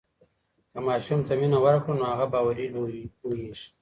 که ماشوم ته مینه ورکړو نو هغه باوري لویېږي.